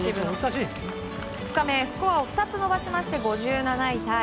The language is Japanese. ２日目、スコアを２つ伸ばして５７位タイ。